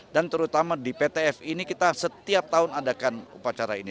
dan terutama di pt fe ini kita setiap tahun adakan upacara ini